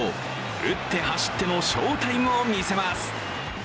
打って走っての翔タイムを見せます。